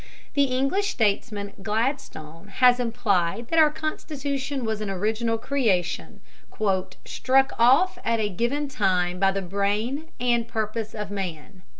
The English statesman Gladstone has implied that our Constitution was an original creation, "struck off at a given time by the brain and purpose of man."